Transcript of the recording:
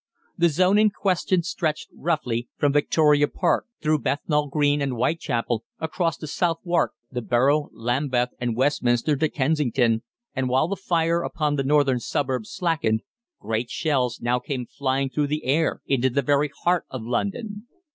The zone in question stretched roughly from Victoria Park through Bethnal Green and Whitechapel, across to Southwark, the Borough, Lambeth, and Westminster to Kensington, and while the fire upon the northern suburbs slackened, great shells now came flying through the air into the very heart of London.